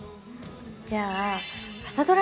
じゃあ「朝ドラ」